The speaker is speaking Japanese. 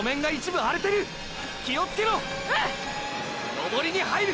登りに入る！！